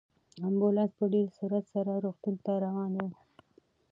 امبولانس په ډېر سرعت سره روغتون ته روان و.